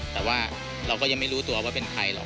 แต่ว่าเราก็ยังไม่รู้ตัวว่าเป็นใครหรอก